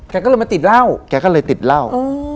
แกก็เลยมาติดเล่า